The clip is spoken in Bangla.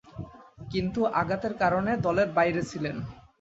কিন্তু আঘাতের কারণে দলের বাইরে ছিলেন।